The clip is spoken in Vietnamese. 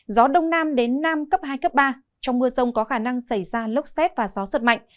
gió đông nam đến nam cấp hai cấp ba trong mưa rông có khả năng xảy ra lốc xét và gió giật mạnh